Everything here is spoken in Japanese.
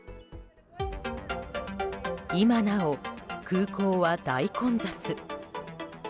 今なお空港は大混雑。